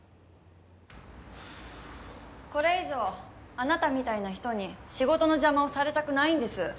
これ以上あなたみたいな人に仕事の邪魔をされたくないんです。